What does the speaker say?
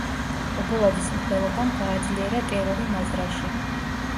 ობოლაძის მკვლელობამ გააძლიერა ტერორი მაზრაში.